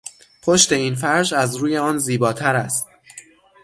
پشت این فرش از روی آن زیباتر است.